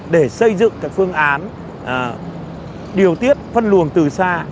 để xây dựng phương án điều tiết phân luồng từ xa